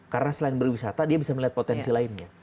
karena selain berwisata dia bisa melihat potensi lainnya